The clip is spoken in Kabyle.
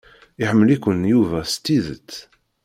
Iḥemmel-iken Yuba s tidet.